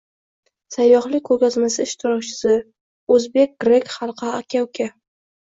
Sayyohlik ko’rgazmasi ishtirokchisi: “O’zbek-grek xalqi aka-uka”